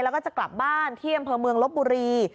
แล้วก็จะกลับบ้านที่อำเภอเมืองลบบุรี